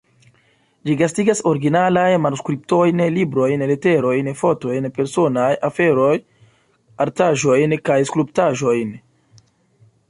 Ĝi gastigas originalaj manuskriptojn, librojn, leterojn, fotojn, personaj aferojn, artaĵojn kaj skulptaĵojn.